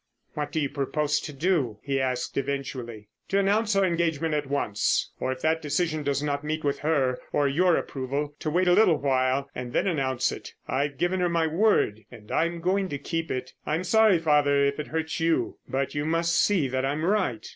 "What do you propose to do?" he asked eventually. "To announce our engagement at once. Or, if that decision does not meet with her or your approval, to wait a little while and then announce it. I've given her my word, and I'm going to keep it. I'm sorry, father, if it hurts you, but you must see that I'm right."